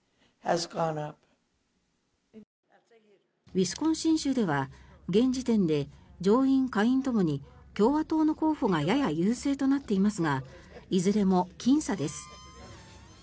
ウィスコンシン州では現時点で上院・下院ともに共和党の候補がやや優勢となっていますがいずれもきん差です。